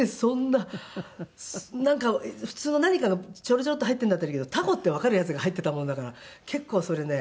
なんか普通の何かがチョロチョロッと入ってるんだったらいいけどタコってわかるやつが入ってたものだから結構それね